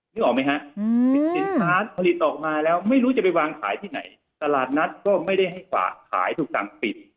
ออกไหมฮะสินค้าผลิตออกมาแล้วไม่รู้จะไปวางขายที่ไหนตลาดนัดก็ไม่ได้ให้ขายถูกสั่งปิด